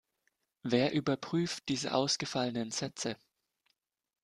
Wer überprüft diese ausgefallenen Sätze?